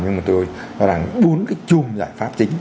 nhưng mà tôi nói rằng bốn cái chùm giải pháp chính